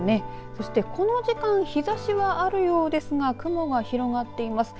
そしてこの時間、日ざしはあるようですが、雲が広がっています。